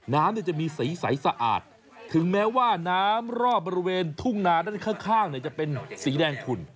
น้ำจะมีสีใสสะอาดถึงแม้ว่าน้ำรอบบริเวณทุ่งนาด้านข้างจะเป็นสีแดงขุ่น